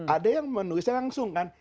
ada yang menulisnya langsung kan